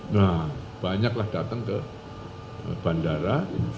nah banyaklah datang ke bandara